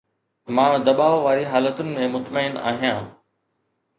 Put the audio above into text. مان دٻاءُ واري حالتن ۾ مطمئن آهيان